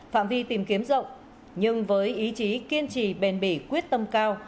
phạm vi tìm kiếm rộng nhưng với ý chí kiên trì bền bỉ quyết tâm cao